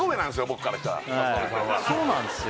僕からしたら雅紀さんはそうなんですよ